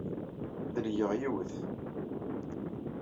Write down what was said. Delgeɣ yiwet.